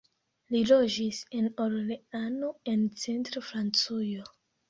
Li loĝis en Orleano, en centra Francujo.